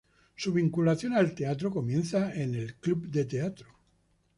Su vinculación al teatro comienza en Club de Teatro.